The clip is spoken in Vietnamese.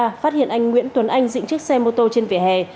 phát hiện anh nguyễn tuấn anh dựng chiếc xe mô tô trên vỉa hè